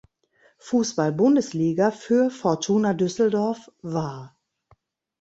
Fußball-Bundesliga für Fortuna Düsseldorf war.